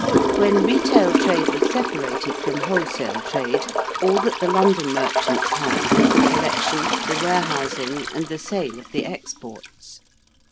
When retail trade was separated from wholesale trade all that the London merchants had was the collection, the warehousing, and the sale of the exports.